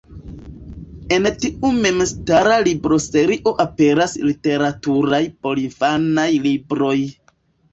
En tiu memstara libroserio aperas literaturaj porinfanaj libroj.